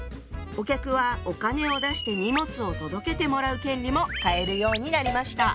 お客はお金を出して荷物を届けてもらう権利も買えるようになりました。